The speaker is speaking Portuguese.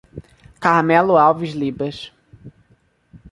Carmelo Alves Libas